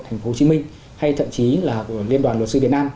thành phố hồ chí minh hay thậm chí là liên đoàn luật sư việt nam